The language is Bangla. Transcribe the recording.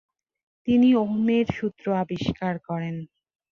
তিনি ও'মের সূত্র আবিষ্কার করেন।